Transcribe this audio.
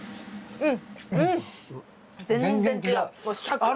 うん。